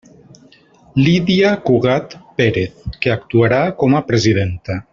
Lídia Cugat Pérez, que actuarà com a presidenta.